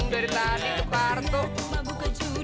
dari tadi tuh kartu